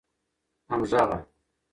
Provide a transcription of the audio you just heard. همږغه